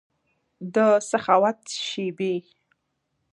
دسخاوت شیبې